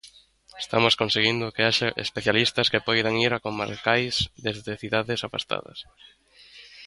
Estamos conseguindo que haxa especialistas que poidan ir a comarcais desde cidades afastadas.